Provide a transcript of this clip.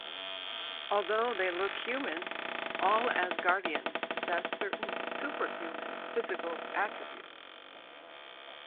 Although they look human, all Asgardians possess certain superhuman physical attributes.